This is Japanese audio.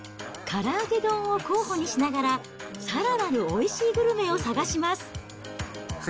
からあげ丼を候補にしながら、さらなるおいしいグルメを探します。